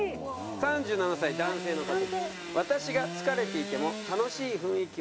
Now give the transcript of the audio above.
３７歳男性の方です。